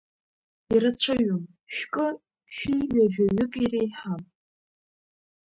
Ирацәаҩым, шәкы, шәи ҩажәаҩык иреиҳам.